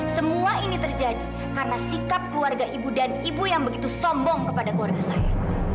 semua ini terjadi karena sikap keluarga ibu dan ibu yang begitu sombong kepada keluarga saya